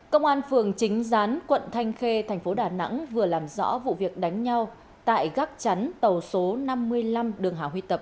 công an phường chính gián quận thanh khê thành phố đà nẵng vừa làm rõ vụ việc đánh nhau tại gác chắn tàu số năm mươi năm đường hà huy tập